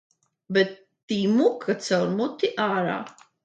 Bet tie muka caur muti ārā.